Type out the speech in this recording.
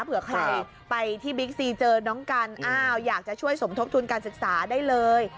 เผื่อใครไปที่บิ๊กซีเจอน้องกันอ้าวอยากจะช่วยสมทบทุนการศึกษาได้เลย